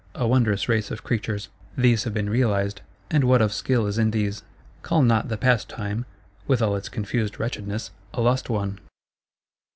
A wondrous race of creatures: these have been realised, and what of Skill is in these: call not the Past Time, with all its confused wretchednesses, a lost one.